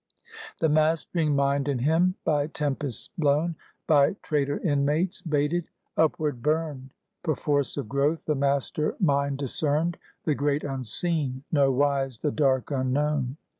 The mastering mind in him, by tempests blown, By traitor inmates baited, upward burned; Perforce of growth, the Master mind discerned, The Great Unseen, nowise the Dark Unknown.